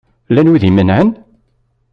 Llan wid i imenɛen?